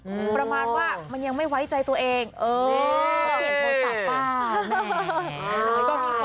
ประมาณว่ามันยังไม่ไว้ใจตัวเองเออเปลี่ยนโทรศัพท์ป้าแม่